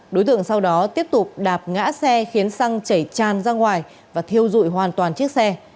đối tượng sau đó tiếp tục đạp ngã xe khiến xăng chảy tràn ra ngoài và thiêu dụi hoàn toàn chiếc xe